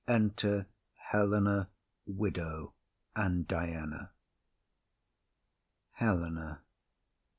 Enter Helena, Widow and Diana. HELENA.